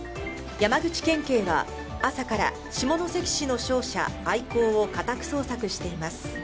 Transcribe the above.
山口県警は朝から下関市の商社、アイコーを家宅捜索しています。